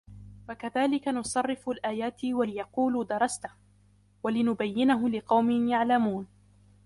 وكذلك نصرف الآيات وليقولوا درست ولنبينه لقوم يعلمون